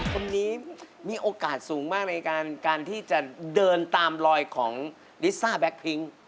คนนี้มีโอกาสสูงมากในการที่จะเดินตามรอยของลิซ่าแก๊กพริ้ง